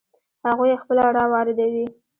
هغوی یې خپله را واردوي.